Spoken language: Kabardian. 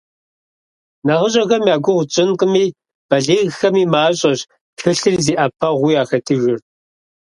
НэхъыщӀэхэм я гугъу тщӀынкъыми, балигъхэми мащӀэщ тхылъыр зи Ӏэпэгъуу яхэтыжыр.